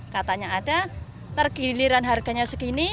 katanya ada tergiliran harganya segini